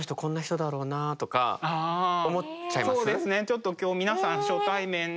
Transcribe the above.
ちょっと今日皆さん初対面が多いから。